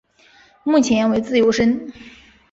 目前为自由身。